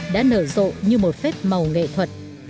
đã nở rộ như một phép màu nghệ thuật